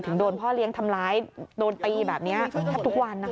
ถึงโดนพ่อเลี้ยงทำร้ายโดนไปแบบนี้แทบทุกวัน